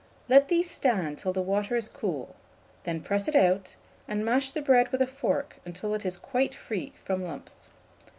Let these stand till the water is cool; then press it out, and mash the bread with a fork until it is quite free from lumps.